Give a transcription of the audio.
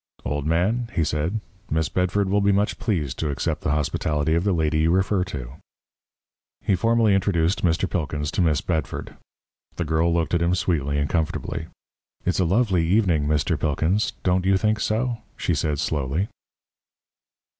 "Old man," he said, "Miss Bedford will be much pleased to accept the hospitality of the lady you refer to." He formally introduced Mr. Pilkins to Miss Bedford. The girl looked at him sweetly and comfortably. "It's a lovely evening, Mr. Pilkins don't you think so?" she said slowly.